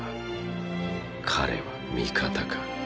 彼は味方か